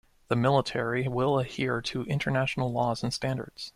The Military will adhere to international laws and standards.